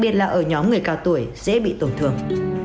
người cao tuổi dễ bị tổn thương